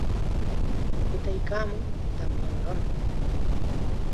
Pukutaykaamun, tamyanqam.